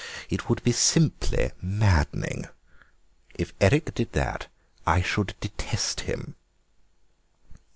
It would be simply maddening. If Eric did that I should detest him."